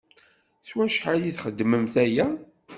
S wacḥal i txeddmemt aya?